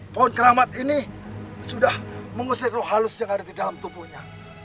pohon keramat ini sudah mengusir roh halus yang ada di dalam tubuhnya